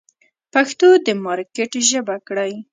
پښتو د مارکېټ ژبه کړئ.